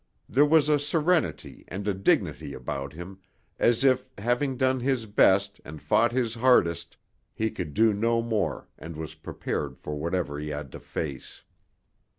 There was a serenity and a dignity about him, as if, having done his best and fought his hardest, he could do no more and was prepared for whatever he had to face.